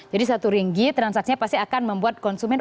jadi satu ringgit transaksinya pasti akan membuat konsumen